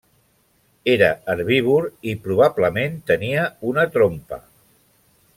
Era herbívor i probablement tenia una trompa.